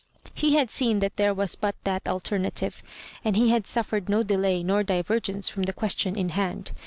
He had seen that there was but that alternative, and he had suffered no delay nor divergence from the question in band.